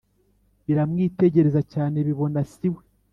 Biramwitegereza cyane bibona siwe